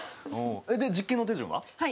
で実験の手順は？